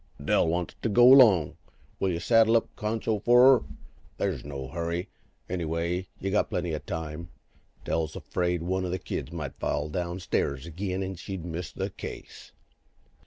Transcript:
"Dell wants t' go along. Will yuh saddle up Concho for 'er? There's no hurry, anyhow, you've got plenty uh time. Dell's afraid one uh the kids might fall downstairs ag'in, and she'd miss the case."